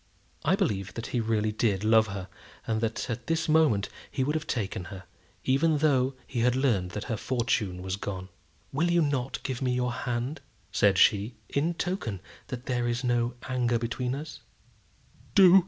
I believe that he really did love her, and that at this moment he would have taken her, even though he had learned that her fortune was gone. "Will you not give me your hand," said she, "in token that there is no anger between us?"